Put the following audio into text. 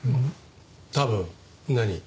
多分何？